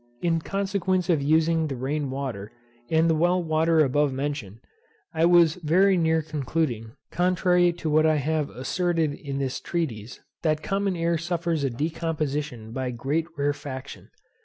In consequence of using the rain water, and the well water above mentioned, I was very near concluding, contrary to what I have asserted in this treatise, that common air suffers a decomposition by great rarefaction.